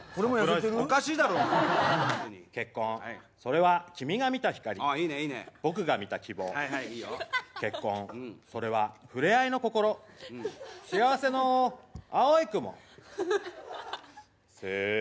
こんなおめだたい日に結婚、それは君が見た光、僕が見た希望、それはふれあいの心幸せの青い雲。